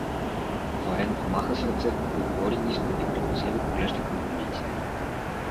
Варенов маха с ръце, говори ниско и предпазливо поглежда към войниците.